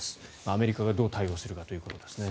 アメリカがどう対応するかということですね。